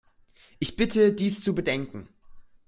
Ich bitte, dies zu bedenken.